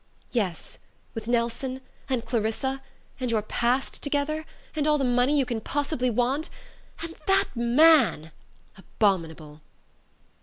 "Yes... with Nelson... and Clarissa... and your past together... and all the money you can possibly want... and that man! Abominable."